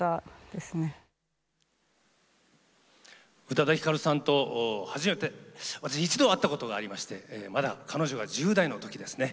宇多田ヒカルさんと初めて私一度会ったことがありましてまだ彼女が１０代の時ですね